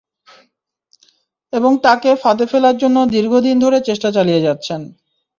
এবং তাঁকে ফাঁদে ফেলার জন্য দীর্ঘ দিন ধরে চেষ্টা চালিয়ে যাচ্ছেন।